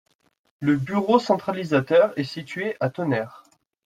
Le bureau centralisateur est situé à Tonnerre.